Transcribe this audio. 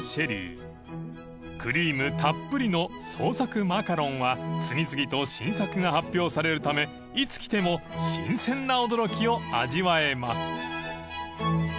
［クリームたっぷりの創作マカロンは次々と新作が発表されるためいつ来ても新鮮な驚きを味わえます］